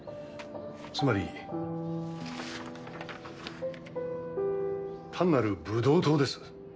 つまり単なるブドウ糖です。